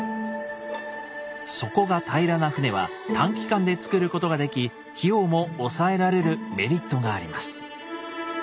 底が平らな船は短期間でつくることができ費用も抑えられるメリットがあります。